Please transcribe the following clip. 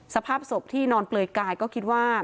สภาพศพที่นอนเปลือยกายก็คิดว่า